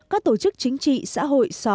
các tổ chức chính trị xã hội